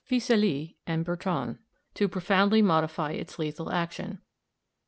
Phisalix and Bertrand, to profoundly modify its lethal action.